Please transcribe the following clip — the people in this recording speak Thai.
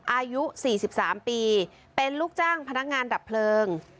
อายุ๔๓ปีเป็นลูกจ้างพนักงานดับเพลิง